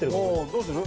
どうする？